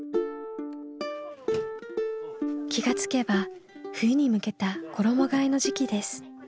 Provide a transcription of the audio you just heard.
気が付けば冬に向けた衣がえの時期です。